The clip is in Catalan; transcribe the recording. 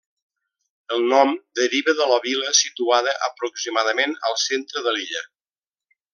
El nom deriva de la vila situada aproximadament al centre de l'illa.